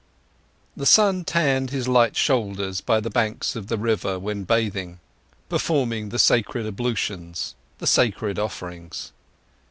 The sun tanned his light shoulders by the banks of the river when bathing, performing the sacred ablutions, the sacred offerings.